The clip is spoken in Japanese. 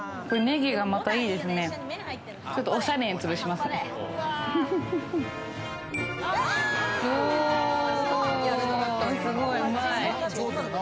すごいうまい！